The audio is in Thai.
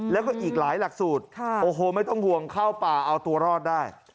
แล้วก็อีกหลายหลักสูตรโอ้โหไม่ต้องห่วงเข้าป่าเอาตัวรอดได้